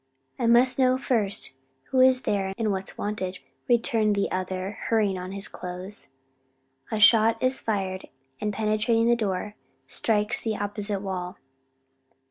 "I must know first who is there and what's wanted," returns the other, hurrying on his clothes. A shot is fired, and penetrating the door, strikes the opposite wall.